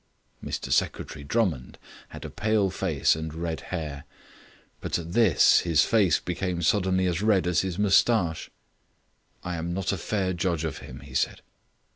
Mr Secretary Drummond had a pale face and red hair; but at this his face became suddenly as red as his moustache. "I am not a fair judge of him," he said.